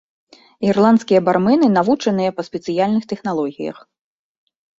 Ірландскія бармэны навучаныя па спецыяльных тэхналогіях.